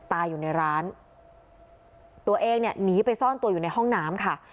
ตายอยู่ในร้านตัวเองเนี่ยหนีไปซ่อนตัวอยู่ในห้องน้ำค่ะ